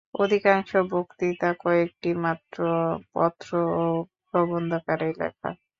অধিকাংশই বক্তৃতা, কয়েকটি মাত্র পত্র ও প্রবন্ধাকারে লেখা।